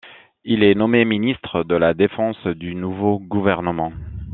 Il est nommé ministre de la Défense du nouveau gouvernement.